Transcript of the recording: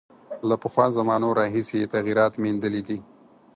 له پخوا زمانو راهیسې یې تغییرات میندلي دي.